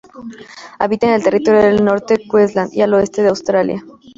Habita en el Territorio del Norte, Queensland y al oeste de Australia.